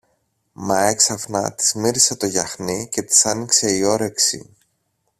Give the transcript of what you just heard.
Μα έξαφνα της μύρισε το γιαχνί και της άνοιξε η όρεξη.